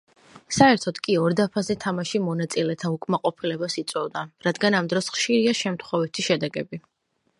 საერთოდ კი ორ დაფაზე თამაში მონაწილეთა უკმაყოფილებას იწვევდა, რადგან ამ დროს ხშირია შემთხვევითი შედეგები.